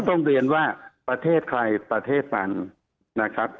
ต้องเรียนว่าประเทศใครประเทศมันนะครับ